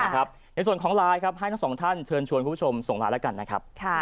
ในส่วนของไลน์ให้ทั้งสองท่านเชิญชวนคุณผู้ชมส่งร้านแล้วกัน